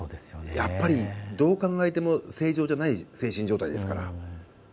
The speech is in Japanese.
やっぱりどう考えても正常じゃない精神状態ですから。